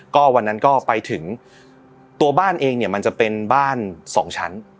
ก็วันนั้นก็ไปถึงตัวบ้านเองเนี่ยมันจะเป็นบ้านสองชั้น